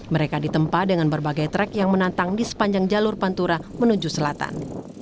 mereka ditempa dengan berbagai trek yang menantang di sepanjang jalur pantura menuju selatan